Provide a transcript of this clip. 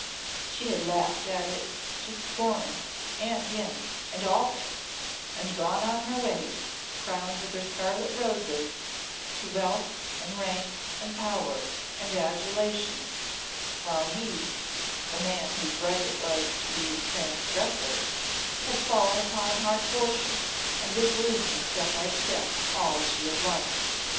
She had laughed it to scorn and him and all things and gone on her way, crowned with her scarlet roses, to wealth, and rank, and power, and adulation; while he the man, whose right it was to be transgressor had fallen upon hard fortune, and was losing step by step all she had won.